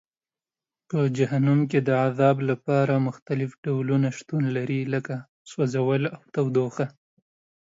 په جهنم کې د عذاب لپاره مختلف ډولونه شتون لري لکه سوځول او تودوخه.